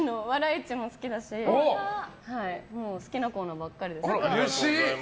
市も好きだし好きなコーナーばっかりです。